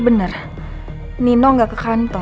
mungkin dia nyemuggm dari bagian situ